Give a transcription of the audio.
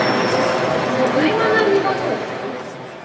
— Могай, манам, Иванов?